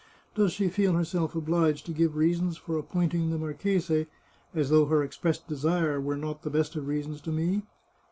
Does she feel herself obliged to give reasons for appointing the marchese, as though her expressed desire were not the best of reasons to me?